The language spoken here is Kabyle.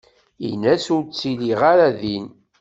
In-as ur ttiliɣ ara din.